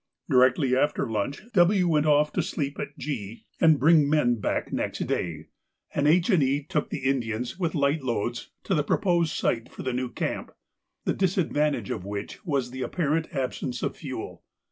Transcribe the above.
Directly after lunch W. went off to sleep at G and bring the men back next day, and H. and E. took the Indians with light loads to the proposed site for the new camp, the disadvantage of which was the apparent absence of fuel.